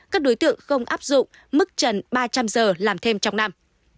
các đối tượng không áp dụng mức trần ba trăm linh giờ làm thêm trong năm